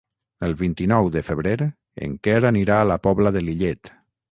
El vint-i-nou de febrer en Quer anirà a la Pobla de Lillet.